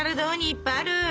いっぱいある。